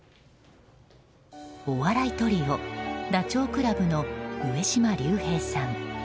お笑いトリオダチョウ倶楽部の上島竜兵さん。